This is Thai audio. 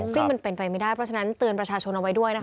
ซึ่งมันเป็นไปไม่ได้เพราะฉะนั้นเตือนประชาชนเอาไว้ด้วยนะคะ